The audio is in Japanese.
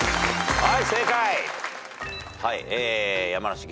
はい。